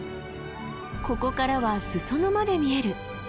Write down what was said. ここからは裾野まで見える！